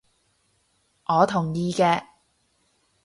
我同意嘅